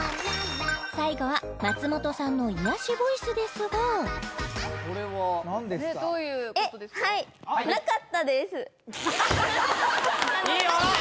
最後は松本さんの癒やしボイスですがこれはどういうことですか？